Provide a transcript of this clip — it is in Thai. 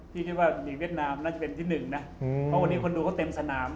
คิดว่าอย่างเวียดนามน่าจะเป็นที่หนึ่งนะเพราะวันนี้คนดูเขาเต็มสนาม